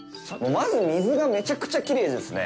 まず水がめちゃくちゃきれいですね。